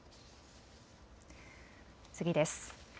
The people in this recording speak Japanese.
次です。